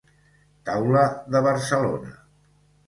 Taula de Barcelona.